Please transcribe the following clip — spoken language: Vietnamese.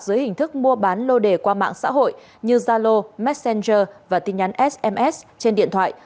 dưới hình thức mua bán lô đề qua mạng xã hội như zalo messenger và tin nhắn sms trên điện thoại